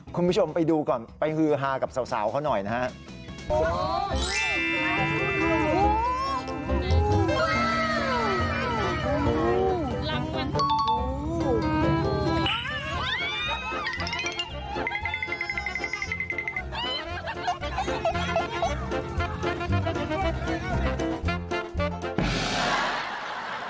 คุณผู้ชมไปดูก่อนไปฮือฮากับสาวเขาหน่อยนะครับ